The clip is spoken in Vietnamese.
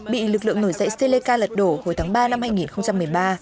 bị lực lượng nổi dậy selleka lật đổ hồi tháng ba năm hai nghìn một mươi ba